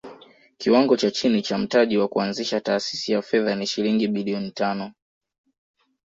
Kiwango cha chini cha mtaji wa kuanzisha taasisi ya fedha ni shilingi bilioni tano